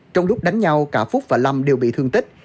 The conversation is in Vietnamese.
trong lúc đánh nhau cả phúc và lâm đều bị thương tích